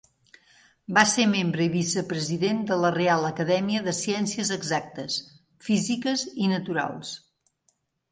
Va ser membre i vicepresident de la Reial Acadèmia de Ciències Exactes, Físiques i Naturals.